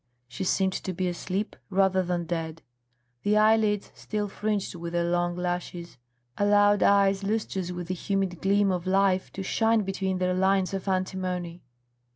She seemed to be asleep rather than dead. The eyelids, still fringed with their long lashes, allowed eyes lustrous with the humid gleam of life to shine between their lines of antimony.